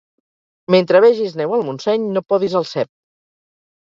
Mentre vegis neu al Montseny no podis el cep.